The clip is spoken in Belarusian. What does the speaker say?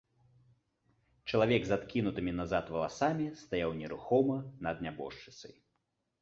Чалавек з адкінутымі назад валасамі стаяў нерухома над нябожчыцай.